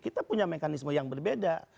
kita punya mekanisme yang berbeda